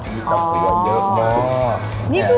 อันนี้ต้องหัวเยอะมาก